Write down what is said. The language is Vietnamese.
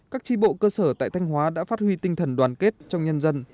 các tri bộ cơ sở tại thanh hóa đã phát huy tinh thần đoàn kết trong nhân dân